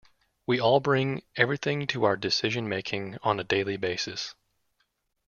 We all bring everything to our decision-making on a daily basis.